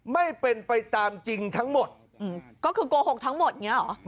ไม่เป็นไปตามจริงทั้งหมดก็คือโกหกทั้งหมดอย่างนี้หรอ